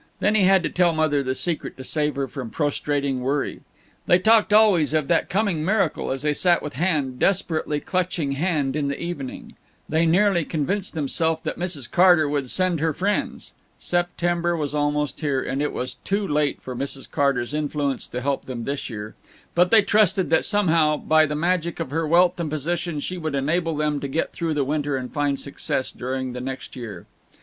Then he had to tell Mother the secret to save her from prostrating worry. They talked always of that coming miracle as they sat with hand desperately clutching hand in the evening; they nearly convinced themselves that Mrs. Carter would send her friends. September was almost here, and it was too late for Mrs. Carter's influence to help them this year, but they trusted that somehow, by the magic of her wealth and position, she would enable them to get through the winter and find success during the next year.